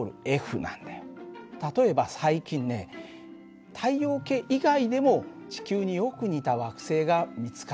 例えば最近ね太陽系以外でも地球によく似た惑星が見つかっている。